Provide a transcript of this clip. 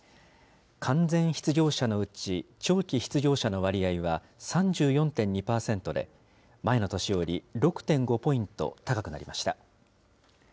完全失業者のうち、長期失業者の割合は３４．２％で、前の年より６．５ポイント高くなりました。